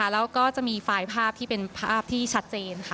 แล้วก็จะมีไฟล์ภาพที่เป็นภาพที่ชัดเจนค่ะ